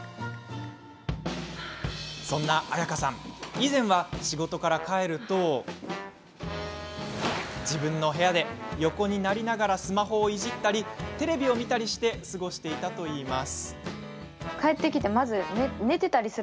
以前は仕事から帰ると自分の部屋で横になりながらスマホをいじったりテレビを見たりして過ごしていたといいます。